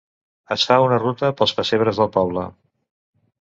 Es fa una ruta pels pessebres del poble.